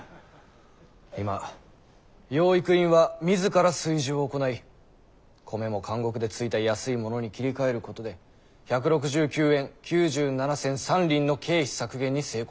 今養育院は自ら炊事を行い米も監獄でついた安いものに切り替えることで１６９円９７銭３厘の経費削減に成功している。